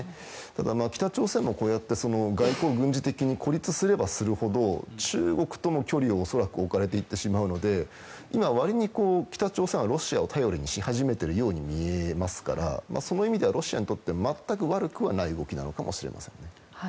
ただ、北朝鮮もこうやって外交軍事的に孤立すればするほど中国との距離を置かれていってしまうので今、北朝鮮はロシアを頼りにし始めているように見えますからその意味ではロシアにとって全く悪くない動きではないかもしれませんね。